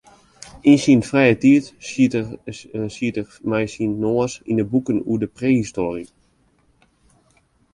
Yn syn frije tiid siet er mei syn noas yn de boeken oer prehistoarje.